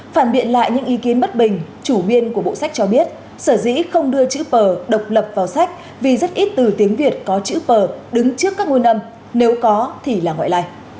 phản biện lại những ý kiến bất bình chủ viên của bộ sách cho biết sở dĩ không đưa chữ p độc lập vào sách vì rất ít từ tiếng việt có chữ pờ đứng trước các môn âm nếu có thì là ngoại lai